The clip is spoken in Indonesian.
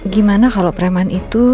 gimana kalau preman itu